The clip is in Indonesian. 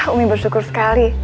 ummi bersyukur sekali